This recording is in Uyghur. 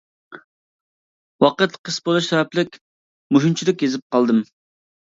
ۋاقىت قىس بولۇش سەۋەبلىك مۇشۇنچىلىك يېزىپ قالدىم.